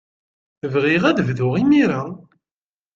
Bɣiɣ ad bduɣ imir-a.